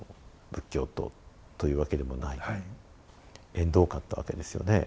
縁遠かったわけですよね。